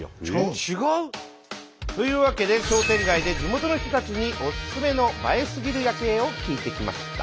違う？というわけで商店街で地元の人たちにおすすめの映えすぎる夜景を聞いてきました。